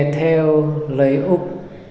theo lời úc